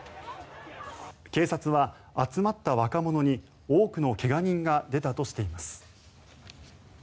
警察は、集まった若者に多くの怪我人が出たとしています。